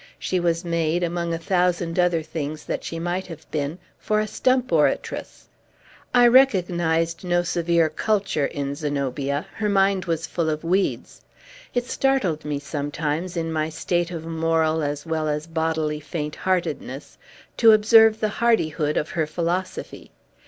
She was made (among a thousand other things that she might have been) for a stump oratress. I recognized no severe culture in Zenobia; her mind was full of weeds. It startled me sometimes, in my state of moral as well as bodily faint heartedness, to observe the hardihood of her philosophy.